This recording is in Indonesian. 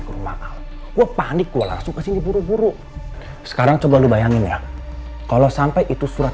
sama al wa panik gua langsung kesini buru buru sekarang coba bayangin ya kalau sampai itu surat